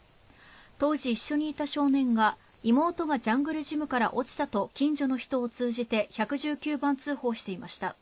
当時一緒にいた少年が妹がジャングルジムから落ちたと近所の人を通じて１１９番通報していました。